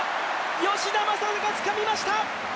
吉田正尚、つかみました！